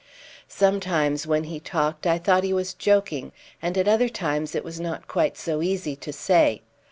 Sometimes when he talked I thought he was joking, and at other times it was not quite so easy to say.